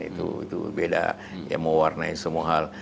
itu beda ya mewarnai semua hal